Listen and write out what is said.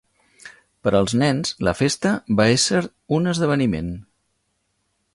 Per als nens la festa va ésser un esdeveniment.